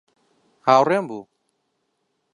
هاوڕێم بوو.